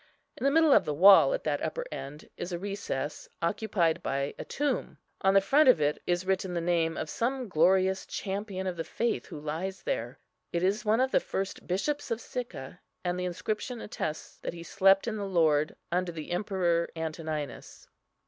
In the middle of the wall at that upper end is a recess, occupied by a tomb. On the front of it is written the name of some glorious champion of the faith who lies there. It is one of the first bishops of Sicca, and the inscription attests that he slept in the Lord under the Emperor Antoninus.